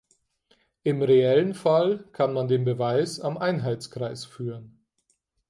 Im reellen Fall kann man den Beweis am Einheitskreis führen.